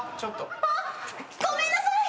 あっごめんなさい！